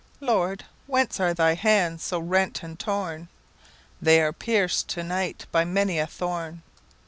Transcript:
"Lord, whence are thy hands so rent and torn?""They are pierced to night by many a thorn."